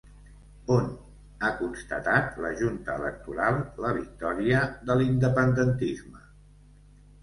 On ha constatat la Junta Electoral la victòria de l'independentisme?